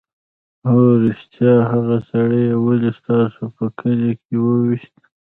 _هو رښتيا! هغه سړی يې ولې ستاسو په کلي کې وويشت؟